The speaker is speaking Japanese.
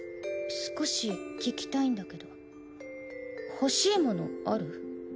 少し聞きたいんだけど欲しいものある？